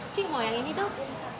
cik mo yang ini dong